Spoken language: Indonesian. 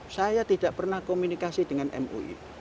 saya tidak pernah komunikasi dengan mui